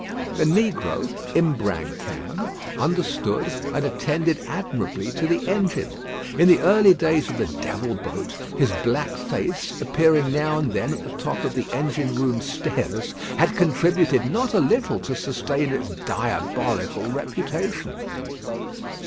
The negro, Imbrancam, understood and attended admirably to the engine. In the early days of the "Devil Boat," his black face, appearing now and then at the top of the engine room stairs, had contributed not a little to sustain its diabolical reputation.